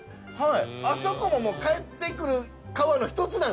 あそこも帰ってくる川の１つなんだ。